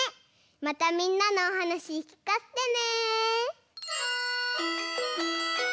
またみんなのおはなしきかせてね。